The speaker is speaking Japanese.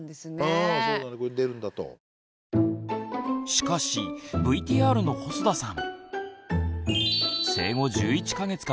しかしＶＴＲの細田さん